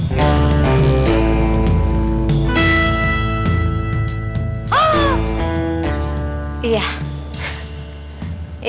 kenapa kamu ngomong keraset ya